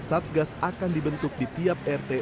satgas akan dibentuk di tiap rt